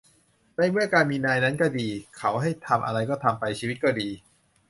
ในเมื่อการมีนายนั้นก็ดี เขาให้ทำอะไรก็ทำไป ชีวิตก็ดี